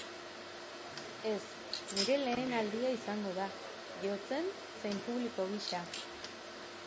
Ez, nire lehen aldia izango da, jotzen zein publiko gisa.